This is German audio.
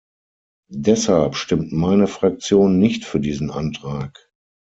Deshalb stimmt meine Fraktion nicht für diesen Antrag.